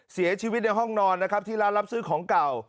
เสียชีวิตในห้องนอนนะครับที่ร้านรับซื้อของเก่า